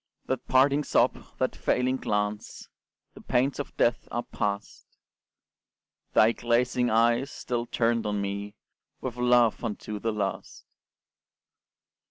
That parting sob, that failing glance The pains of death are past! Thy glazing eyes still turned on me With love unto the last!